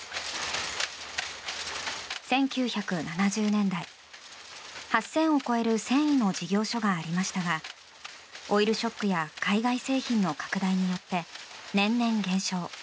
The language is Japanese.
１９７０年代、８０００を超える繊維の事業所がありましたがオイルショックや海外製品の拡大によって年々減少。